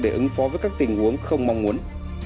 để ứng phó với các tình huống không mong muốn